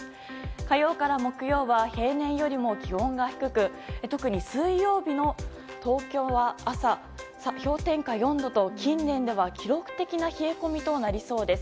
火曜から木曜は平年よりも気温が低く特に水曜日の朝東京は氷点下４度と近年では記録的な冷え込みとなりそうです。